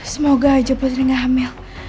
semoga aja putri gak hamil